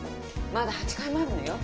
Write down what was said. まだ８階もあるのよ。